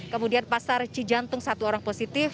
kemudian pasar cijantung satu orang positif